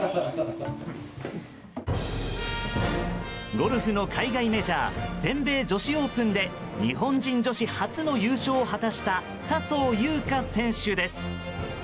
ゴルフの海外メジャー全米女子オープンで日本人女子初の優勝を果たした笹生優花選手です。